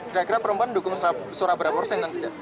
kira kira perempuan dukung suara berapa persen nantinya